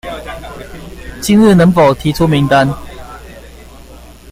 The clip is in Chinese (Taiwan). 今日能否提出名單？